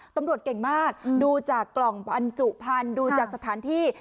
ตำรวจเก่งมากดูจากกล่องบรรจุพันธุ์ดูจากสถานที่